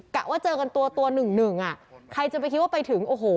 กะว่าเจอกันตัวตัวหนึ่งหนึ่งอ่ะใครจะไปคิดว่าไปถึงโอ้โห